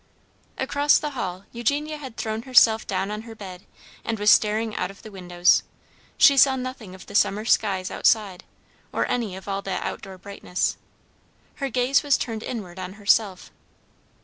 Across the hall Eugenia had thrown herself down on her bed, and was staring out of the windows. She saw nothing of the summer skies outside, or any of all that outdoor brightness. Her gaze was turned inward on herself.